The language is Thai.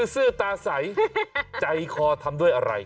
ซื้อตาใสใจคอทำด้วยอะไร